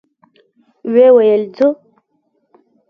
ويې ويل: ځو؟